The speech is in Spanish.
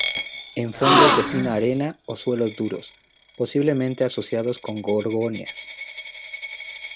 En fondos de fina arena o suelos duros, posiblemente asociados con gorgonias.